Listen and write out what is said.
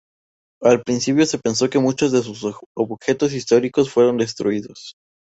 Al principio se pensó que muchos de sus objetos históricos fueron destruidos.